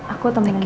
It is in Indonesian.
aku temenin mama